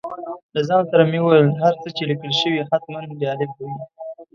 له ځان سره مې وویل هر څه چې لیکل شوي حتماً جالب به وي.